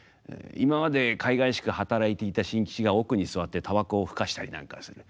今までかいがいしく働いていた新吉が奥に座ってたばこを吹かしたりなんかする。